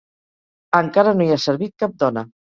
Encara no hi ha servit cap dona.